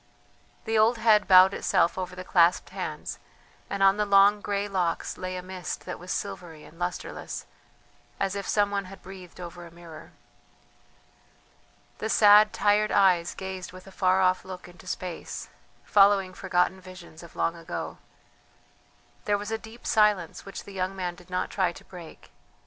The old head bowed itself over the clasped hands, and on the long grey locks lay a mist that was silvery and lustreless, as if some one had breathed over a mirror. The sad, tired eyes gazed with a far off look into space, following forgotten visions of long ago. There was a deep silence which the young man did not try to break.